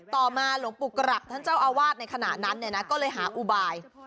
ต่อมาหลวงปู่กรักท่านเจ้าอาวาสในขณะนั้นเนี่ยนะก็เลยหาอุบาย